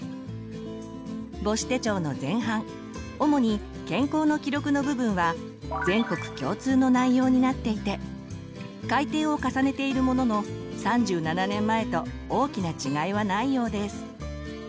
母子手帳の前半主に健康の記録の部分は全国共通の内容になっていて改訂を重ねているものの３７年前と大きな違いはないようです。